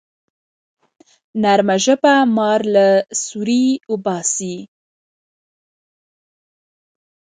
نرمه ژبه مار له سوړي باسي